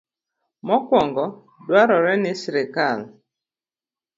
Mokwongo, dwarore ni sirkal